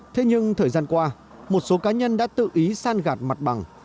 thế nhưng thời gian qua một số cá nhân đã tự ý san gạt mặt bằng